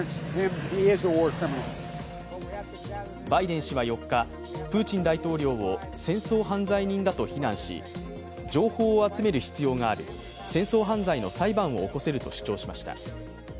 バイデン氏は４日、プーチン大統領を戦争犯罪人だと非難し、情報を集める必要がある、戦争犯罪の裁判を起こせると主張しました。